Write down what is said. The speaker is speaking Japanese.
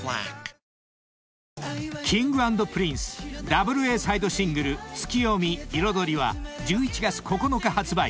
［Ｋｉｎｇ＆ＰｒｉｎｃｅダブルＡサイドシングル『ツキヨミ／彩り』は１１月９日発売］